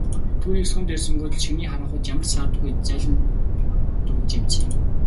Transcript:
Түүнийг сум дайрсангүй тул шөнийн харанхуйд ямар ч саадгүй зайлан нуугдаж амжсан юм.